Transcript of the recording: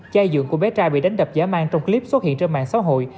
chai dưỡng của bé trai bị đánh đập giả mang trong clip xuất hiện trên mạng xã hội